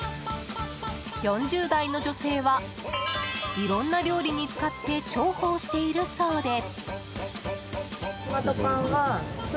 ４０代の女性は、いろんな料理に使って重宝しているそうで。